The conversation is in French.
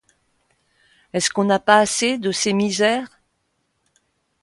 Est-ce qu'on n'a pas assez de ses misères?